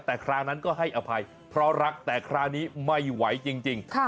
แต่คราวนั้นก็ให้อภัยเพราะรักแต่คราวนี้ไม่ไหวจริง